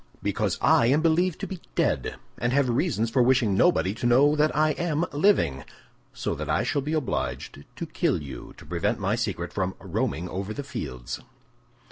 "Because I am believed to be dead, and have reasons for wishing nobody to know I am living; so that I shall be obliged to kill you to prevent my secret from roaming over the fields."